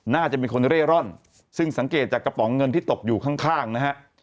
น่าจะเป็นคนเร่ร่อนซึ่งสังเกตจากกระป๋องเงินที่ตกอยู่ข้างนะฮะ